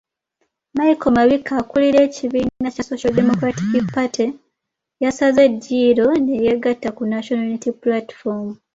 Michael Mabikke akulira ekibiina kya Social Democratic Party yasaze eddiiro ne yeegatta ku National Unity Platform.